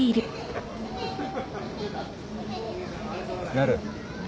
なる。